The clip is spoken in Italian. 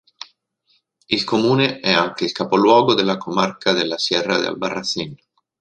Il comune è anche il capoluogo della comarca della Sierra de Albarracín.